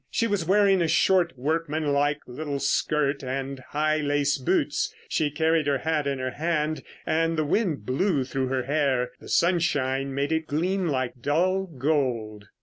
She was wearing a short, workman like little skirt and high lace boots. She carried her hat in her hand and the wind blew through her hair; the sunshine made it gleam like dull gold.